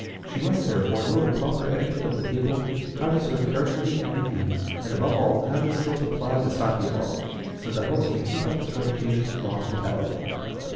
She must, therefore, know the proper etiquette of the table, how to serve carefully and neatly, and, above all, have the skill to ply the saké bottle, so that the house may keep up its reputation for hospitality.